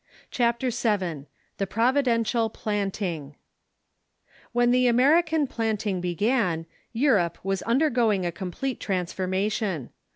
CHAPTER Vn THE PROVIDENTIAL PLANTING When the American planting began, Europe was under going a complete transformation.